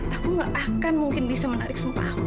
aku gak akan mungkin bisa menarik sumpah aku